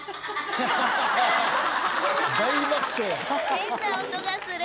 変な音がする。